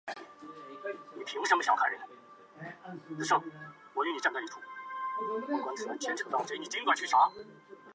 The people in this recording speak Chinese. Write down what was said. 这是叙利亚问题的决议草案第四次在安理会被俄中两国否决。